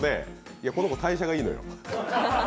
この子、代謝がいいのよ。